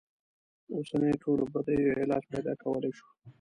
اوسنیو ټولو بدیو علاج پیدا کولای شو.